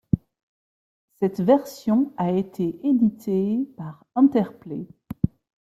Cette version a été éditée par Interplay.